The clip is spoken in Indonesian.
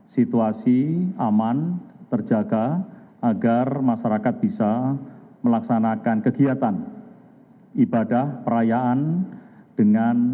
situasi aman terjaga agar masyarakat bisa melaksanakan kegiatan ibadah perayaan dengan